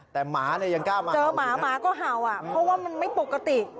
แต่หมาเนี่ยยังกล้ามาเจอหมาหมาก็เห่าอ่ะเพราะว่ามันไม่ปกติ